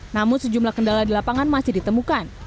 namun sejumlah kendala di lapangan masih ditemukan